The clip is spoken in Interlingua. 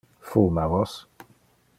Fuma vos?